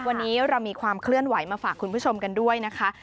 วันนี้เรามีความเคลื่อนไหวมาฝากคุณผู้ชมกันด้วยนะคะ